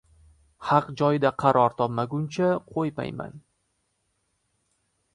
Haq joyida qaror topmaguncha, qo‘ymayman.